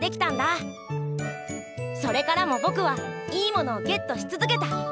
それからもぼくはいいものをゲットし続けた。